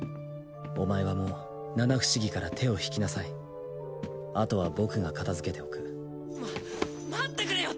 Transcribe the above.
お前はもう七不思議から手を引きなさいあとは僕が片付けておくま待ってくれよ